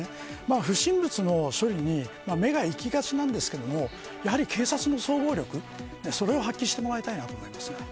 不審物の処理に目がいきがちですがやはり警察の総合力それを発揮してもらいたいです。